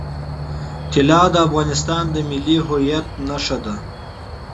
طلا د افغانستان د ملي هویت نښه ده.